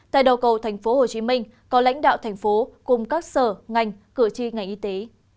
tp hcm có lãnh đạo thành phố cùng các sở ngành cử tri ngành y tế